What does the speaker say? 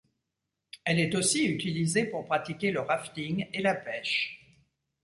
Elle est aussi utilisée pour pratiquer le rafting, et la pêche.